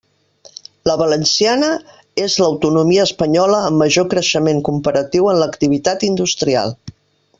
La valenciana és l'autonomia espanyola amb major creixement comparatiu en l'activitat industrial.